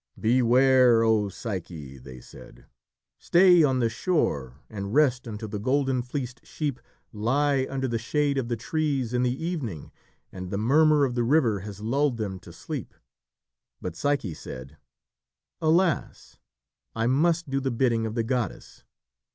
"Beware! O Psyche," they said. "Stay on the shore and rest until the golden fleeced sheep lie under the shade of the trees in the evening and the murmur of the river has lulled them to sleep." But Psyche said, "Alas, I must do the bidding of the goddess.